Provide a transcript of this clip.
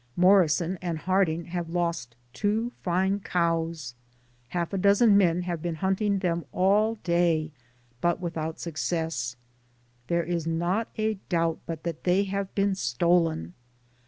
Morrison and Harding have lost two fine cows, half a dozen men have been hunting them all day, but without success. There is not a doubt but that they have been stolen.